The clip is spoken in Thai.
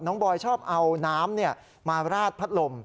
บอยชอบเอาน้ำมาราดพัดลม